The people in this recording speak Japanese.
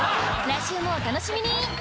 来週もお楽しみに！